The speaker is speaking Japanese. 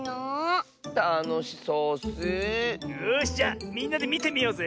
よしじゃみんなでみてみようぜ！